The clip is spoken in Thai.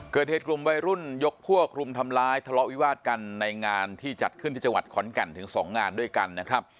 เกิดเหตุกลุ่มวัยรุ่นยกพวกรุมทำร้ายทะเลาะวิวาดกันในงานที่จัดขึ้นที่จังหวัดขอนแก่นถึง๒งานด้วยกันนะครับ